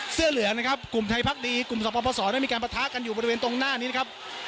เสื้อเหลืองนะครับกลุ่มไทยพักดีกลุ่มสปสได้มีการประทะกันอยู่บริเวณตรงหน้านี้นะครับ